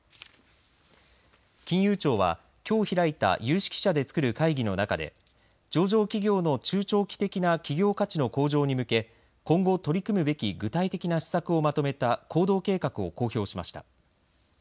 金融庁はきょう開いた有識者でつくる会議の中で上場企業の中長期的な企業価値の向上に向け今後、取り組むべき具体的な施策を求めた行動計画を公表しました。